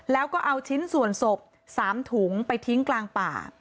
แล้วก็เอาชิ้นส่วนศพ๓ถุงไปทิ้งกลางป่า